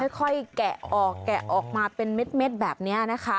แกะออกแกะออกมาเป็นเม็ดแบบนี้นะคะ